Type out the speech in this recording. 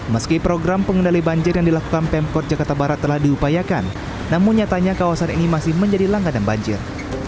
meski program pengendali banjir yang dilakukan pemkot jakarta barat telah diupayakan namun nyatanya kawasan ini masih menjadi langganan banjir